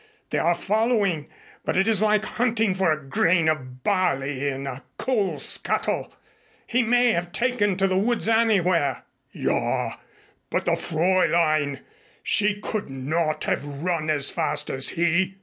They are following, but it is like hunting for a grain of barley in a coal scuttle. He may have taken to the woods anywhere." "Ja but the Fräulein. She could not have run as fast as he!"